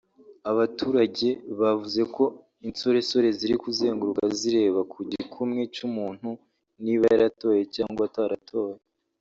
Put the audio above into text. Abaturage bavuze ko insoresore ziri kuzenguruka zireba ku gikumwe cy’umuntu niba yaratoye cyangwa ataratoye